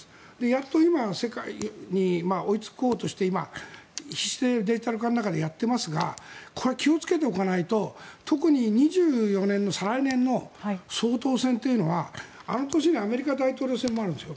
やっと今世界に追いつこうとして今、必死でデジタル化の中でやっていますが気をつけておかないと特に２４年の総統選というのはあの年にアメリカ大統領選もあるんです。